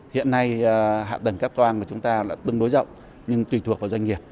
hiện nay hẹn tần cáp quang của chúng ta tương đối rộng nhưng tùy thuộc vào doanh nghiệp